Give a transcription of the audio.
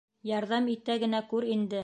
Ярҙам итә генә күр инде!